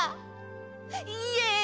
イエイ！